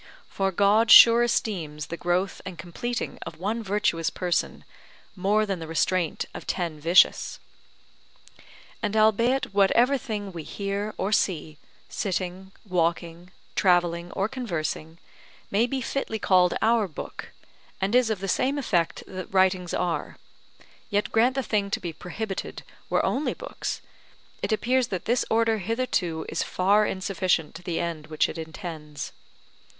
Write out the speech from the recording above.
For God sure esteems the growth and completing of one virtuous person more than the restraint of ten vicious. And albeit whatever thing we hear or see, sitting, walking, travelling, or conversing, may be fitly called our book, and is of the same effect that writings are, yet grant the thing to be prohibited were only books, it appears that this Order hitherto is far insufficient to the end which it intends.